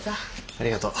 ありがとう。